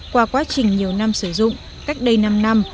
qua quá trình nhiều năm sử dụng cách đây năm năm